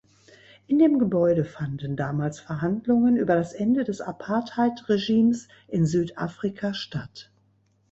In dem Gebäude fanden damals Verhandlungen über das Ende des Apartheid-Regimes in Südafrika statt.